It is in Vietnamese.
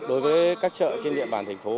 đối với các chợ trên địa bàn thành phố